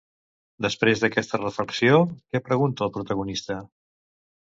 Després d'aquesta reflexió, què pregunta el protagonista?